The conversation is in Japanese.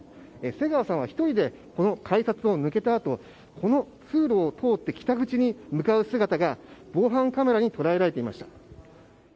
瀬川さんは１人でこの改札を抜けたあとこの通路を通って北口に向かう姿が防犯カメラに捉えられていました。